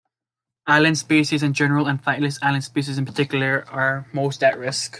Island species in general, and flightless island species in particular are most at risk.